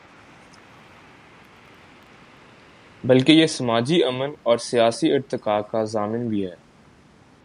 بلکہ یہ سماجی امن اور سیاسی ارتقا کا ضامن بھی ہے۔